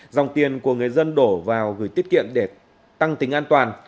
dòng tiền của người dân đổ vào gửi tiết kiệm để tăng tính an toàn